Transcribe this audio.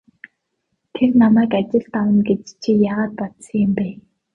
Тэр намайг ажилд авна гэж чи яагаад бодсон юм бэ?